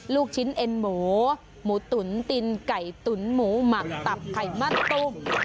ลูกชิ้นเอ็นหมูหมูตุ๋นตินไก่ตุ๋นหมูหมักตับไข่มั่นตุ้ม